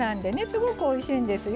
すごくおいしいんですよ。